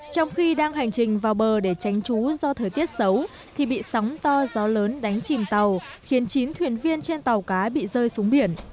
trong khi đang hành trình vào bờ để tránh trú do thời tiết xấu thì bị sóng to gió lớn đánh chìm tàu khiến chín thuyền viên trên tàu cá bị rơi xuống biển